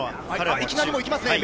いきなりもう行きますね。